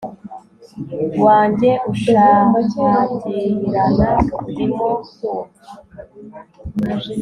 wanjye ushahagirana ndimo kumva